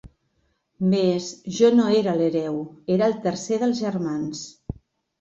Mes, jo no era l'hereu; era el tercer dels germans.